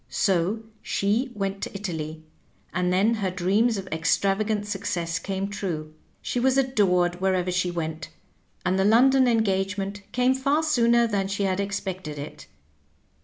So she went to Italy; and then her dreams of extravagant success came true. She was adored wherever she went, and the London en gagement came far sooner than she had expected it.